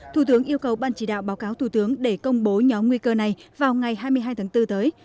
thủ tướng yêu cầu ban chỉ đạo báo cáo thủ tướng để công bố nhóm nguy cơ này vào ngày hai mươi hai tháng bốn tới